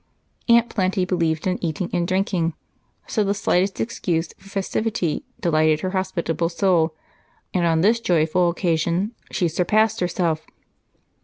Aunt Plenty believed in eating and drinking, so the slightest excuse for festivity delighted her hospitable soul, and on this joyful occasion she surpassed herself.